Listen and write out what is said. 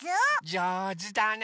じょうずだね。